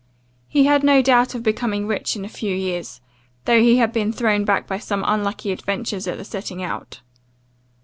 He had no doubt of becoming rich in a few years, though he had been thrown back by some unlucky adventures at the setting out.